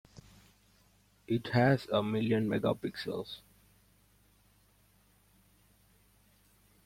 It has a million megapixels.